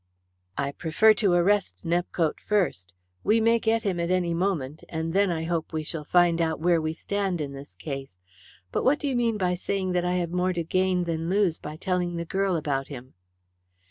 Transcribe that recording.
"I prefer to arrest Nepcote first. We may get him at any moment, and then, I hope, we shall find out where we stand in this case. But what do you mean by saying that I have more to gain than lose by telling the girl about him?"